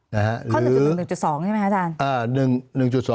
ข้อ๑๑จุด๒ใช่ไหมครับอาจารย์